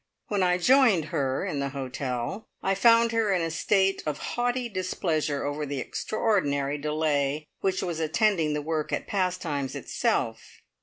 When I joined her in the hotel, I found her in a state of haughty displeasure over the extraordinary delay which was attending the work at Pastimes itself.